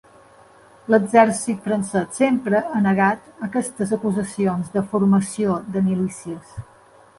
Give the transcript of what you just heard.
L'exèrcit francès sempre ha negat aquestes acusacions de formació de milícies.